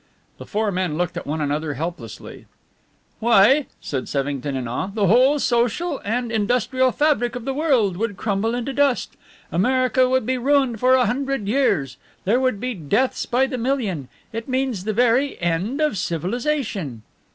The four men looked at one another helplessly. "Why," said Sevington, in awe, "the whole social and industrial fabric of the world would crumble into dust. America would be ruined for a hundred years, there would be deaths by the million. It means the very end of civilization!"